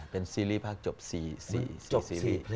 เป็นซีรีส์ภาคจบ๔จบซีรีส์